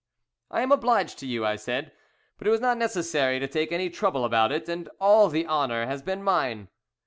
"I am obliged to you," I said; "but it was not necessary to take any trouble about it, and all the honour has been mine."